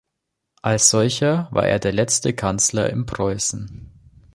Als solcher war er der letzte Kanzler in Preußen.